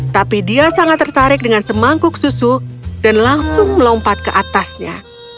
tapi dia sangat tertarik dengan semangkuk susu dan langsung melompat ke atasnya